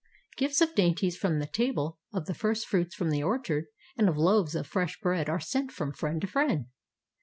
Gifts of dainties from the table, of the first fruits from the orchard, and of loaves of fresh bread are sent from friend to friend.